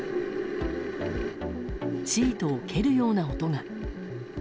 シートを蹴るような音が。